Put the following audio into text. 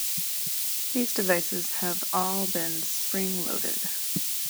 These devices have all been spring loaded.